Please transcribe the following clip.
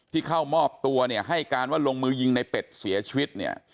ที่เข้ามอบตัวให้การว่าลงมือยิงในเป็ดเสียชีวิต